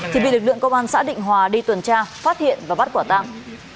thì bị lực lượng công an xã đình hòa đi tuần tra phát hiện và bắt quả tăng